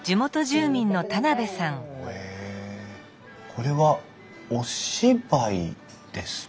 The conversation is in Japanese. これはお芝居ですか？